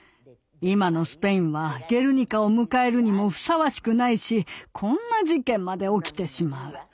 今のスペインは「ゲルニカ」を迎えるにもふさわしくないしこんな事件まで起きてしまう。